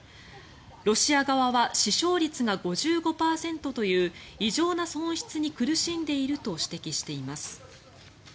ロシア側は死傷率が５５％という異常な損失に苦しんでいると指摘しています。